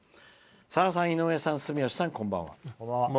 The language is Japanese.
「さださん、住吉さん、井上さんこんばんは。